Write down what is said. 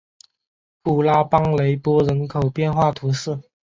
普拉邦雷波人口变化图示